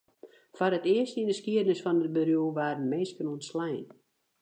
Foar it earst yn 'e skiednis fan it bedriuw waarden minsken ûntslein.